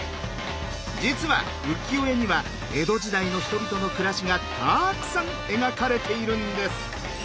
実は浮世絵には江戸時代の人々の暮らしがたくさん描かれているんです。